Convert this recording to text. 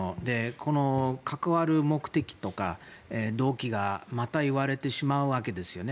関わる目的とか動機がまた言われてしまうわけですよね。